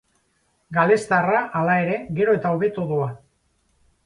Galestarra, hala ere, gero eta hobeto doa.